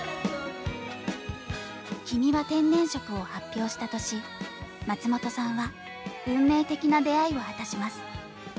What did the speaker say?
「君は天然色」を発表した年松本さんは運命的な出会いを果たします。